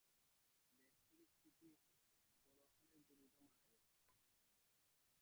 দেশ থেকে চিঠি এসেছে বড়ো হালের গোরুটা মারা গেছে।